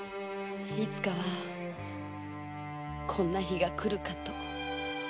いつかはこんな日が来るかと。